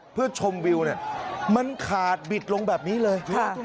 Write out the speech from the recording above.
เพื่อชมวิวเนี่ยมันขาดบิดลงแบบนี้เลย